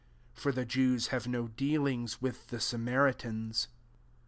(for the Jews Imve no dealings with the Samaritans.)